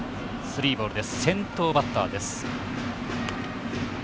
先頭バッターです。